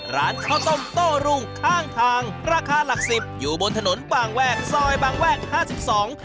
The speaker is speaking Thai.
ร้านข้าวต้มโต้รุ่งข้างทางราคาหลักสิบอยู่บนถนนบางแวกซอยบางแวกห้าสิบสอง